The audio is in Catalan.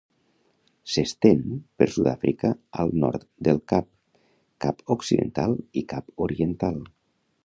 S'estén per Sud-àfrica al nord del Cap, Cap Occidental i Cap Oriental.